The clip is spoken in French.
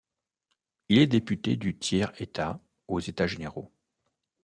Il est député du Tiers état aux États généraux.